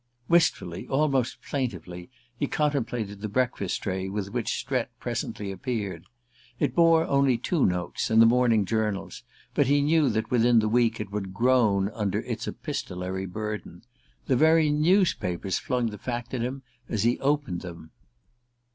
Wistfully, almost plaintively, he contemplated the breakfast tray with which Strett presently appeared. It bore only two notes and the morning journals, but he knew that within the week it would groan under its epistolary burden. The very newspapers flung the fact at him as he opened them.